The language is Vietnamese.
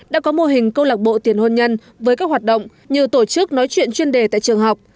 đã có mô hình câu lạc bộ tiền hôn nhân với các hoạt động như tổ chức nói chuyện chuyên đề tại trường học